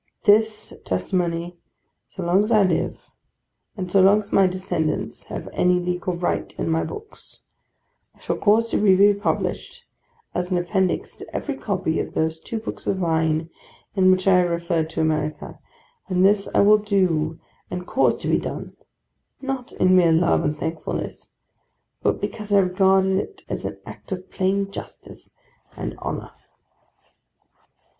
This testimony, so long as I live, and so long as my descendants have any legal right in my books, I shall cause to be republished, as an appendix to every copy of those two books of mine in which I have referred to America. And this I will do and cause to be done, not in mere love and thankfulness, but because I regard it as an act of plain justice and honour.